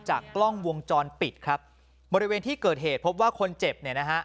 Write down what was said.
กล้องวงจรปิดครับบริเวณที่เกิดเหตุพบว่าคนเจ็บเนี่ยนะฮะ